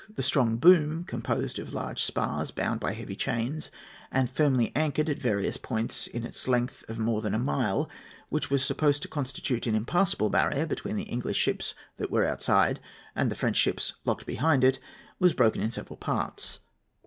The strong boom, composed of large spars bound by heavy chains, and firmly anchored at various points in its length of more than a mile, which was supposed to constitute an impassable barrier between the English ships that were outside and the French ships locked behind it, was broken in several parts.